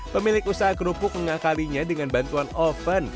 pemilik usaha kerupuk mengakalinya dengan bantuan oven